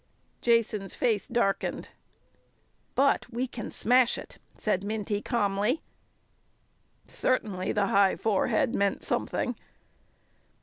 Jason's face darkened. "But we can smash it," said Minty calmly. Certainly the high forehead meant something.